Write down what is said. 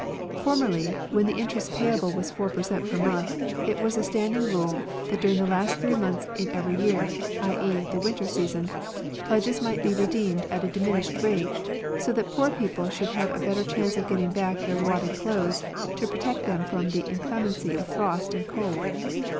Formerly, when the interest payable was four per cent, per month, it was a standing rule that during the last three months in every year, ^.e., the winter season, pledges might be redeemed at a diminished rate, so that poor people should have a better chance of getting back their wadded clothes to protect them from the inclemency of frost and cold.